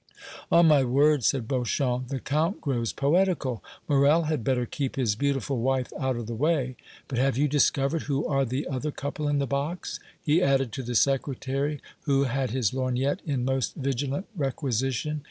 "On my word," said Beauchamp, "the Count grows poetical! Morrel had better keep his beautiful wife out of the way! But have you discovered who are the other couple in the box?" he added to the Secretary, who had his lorgnette in most vigilant requisition.